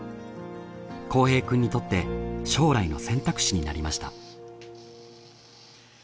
幸平くんにとって将来の選択肢になりました。